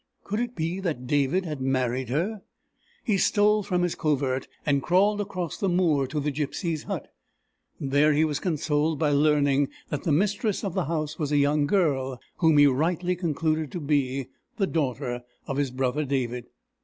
Could it be that David had married her? He stole from his covert, and crawled across the moor to the gypsy's hut. There he was consoled by learning that the mistress of the house was a young girl, whom he rightly concluded to be the daughter of his brother David.